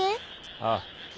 ああ。